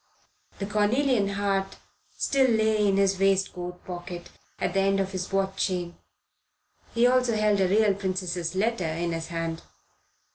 The cornelian heart still lay in his waistcoat pocket at the end of his watch chain. He also held a real princess's letter in his hand.